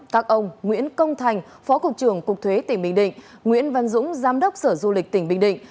các ông nguyễn công thành phó cục trưởng cục thuế tỉnh bình định nguyễn văn dũng giám đốc sở du lịch tỉnh bình định